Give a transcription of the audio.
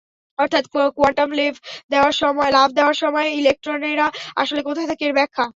অর্থাৎ কোয়ান্টাম লাফ দেওয়ার সময় ইলেকট্রনেরা আসলে কোথায় থাকে, এর ব্যাখ্যা।